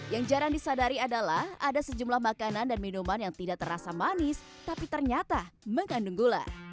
yang jarang disadari adalah ada sejumlah makanan dan minuman yang tidak terasa manis tapi ternyata mengandung gula